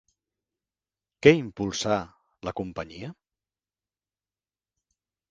Què impulsà la companyia?